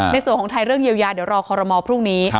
ในส่วนของไทยเรื่องเยียวยาเดี๋ยวรอคอรมอลพรุ่งนี้